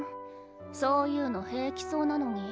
そういうの平気そうなのに。